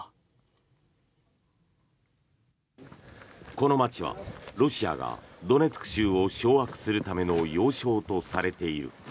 この街は、ロシアがドネツク州を掌握するための要衝とされている。